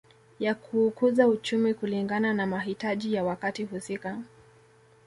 Ya kuukuza uchumi kulingana na mahitaji ya wakati husika